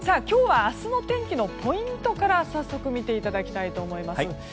今日は明日の天気のポイントから早速、見ていただきたいと思います。